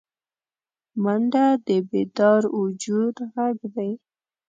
منډه د بیدار وجود غږ دی